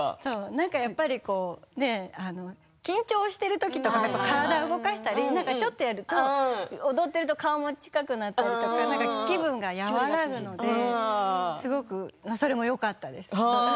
なんかやっぱり緊張している時とか体を動かしたりちょっとやると踊ってると顔も近くなったりとか気分が和らぐのですごくそれもよかったです。